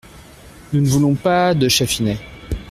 Nous ne voulons pas de Chatfinet…